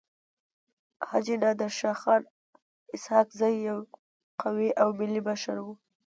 حاجي نادر شاه خان اسحق زی يو قوي او منلی مشر وو.